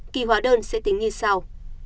kỳ hóa đơn sẽ tính như sau